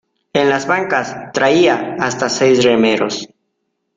en las bancas traía hasta seis remeros.